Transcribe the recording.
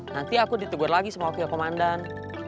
nanti aku ditegur lagi sama wakil komandan